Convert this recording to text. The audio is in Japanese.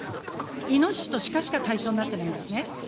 いのししとしかしか対象になってないんですね。